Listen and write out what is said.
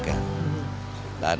dan ini kan